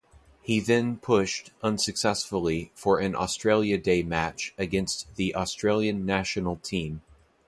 He then pushed, unsuccessfully, for an Australia Day match against the Australian national team.